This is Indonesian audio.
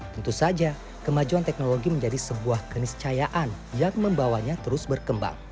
tentu saja kemajuan teknologi menjadi sebuah keniscayaan yang membawanya terus berkembang